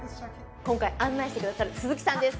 今回案内してくださる鈴木さんです